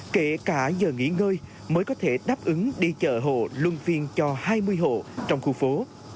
kể cả giờ nghỉ ngơi mới có thể đáp ứng đi chợ hộ luôn phiên cho hai mươi hộ trong khu phố